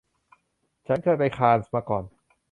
ฉันเคยไปคานส์มาก่อน